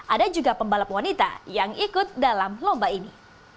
ada juga pembalap wanita yang ikut dalam lomba ini